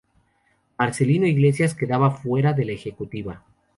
Marcelino Iglesias quedaba fuera de la ejecutiva.